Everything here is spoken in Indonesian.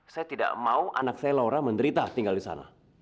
saya tidak mau anak saya laura menderita tinggal disana